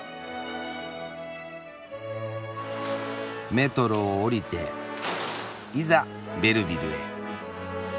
メトロを降りていざベルヴィルへ。